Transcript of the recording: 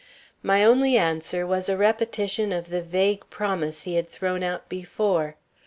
My only answer was a repetition of the vague promise he had thrown out before.